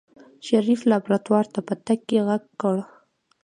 شريف لابراتوار ته په تګ کې غږ کړ.